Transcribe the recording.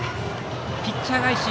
ピッチャー返し